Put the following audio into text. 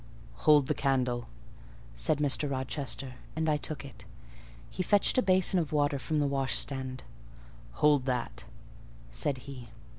"Hold the candle," said Mr. Rochester, and I took it: he fetched a basin of water from the washstand: "Hold that," said he.